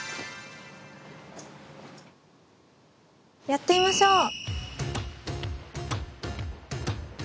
やってみましょう！